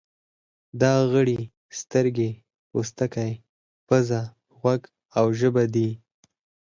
دا غړي سترګې، پوستکی، پزه، غوږ او ژبه دي.